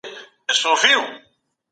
خوږې اوبه او شیریني د شکر لپاره بد دي.